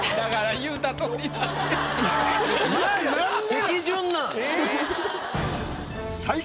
席順なん？